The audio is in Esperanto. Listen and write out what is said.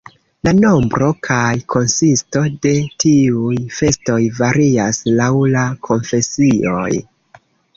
La nombro kaj konsisto de tiuj festoj varias laŭ la konfesioj.